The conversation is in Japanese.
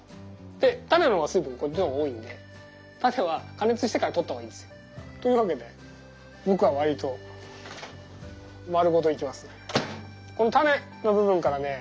でタネの方が水分量多いのでタネは加熱してから取った方がいいんですよ。というわけでぼくはわりと丸ごといきますね。